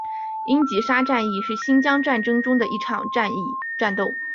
英吉沙战役是新疆战争中的一场战斗。